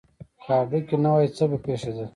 که هډوکي نه وی نو څه به پیښیدل